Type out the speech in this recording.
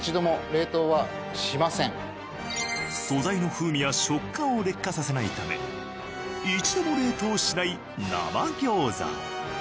素材の風味や食感を劣化させないため一度も冷凍しない生餃子。